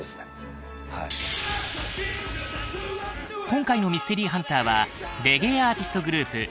今回のミステリーハンターはレゲエアーティストグループ